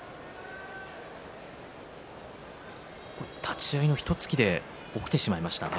立ち合いの一突きで起きてしまいましたね。